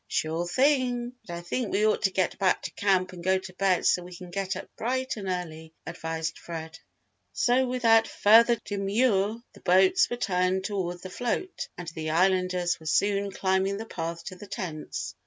"Sure thing! But I think we ought to get back to camp and go to bed so we can get up bright and early," advised Fred. So without further demur the boats were turned toward the float and the Islanders were soon climbing the path to the tents.